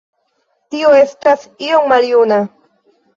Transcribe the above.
Tio estas iom maljuna.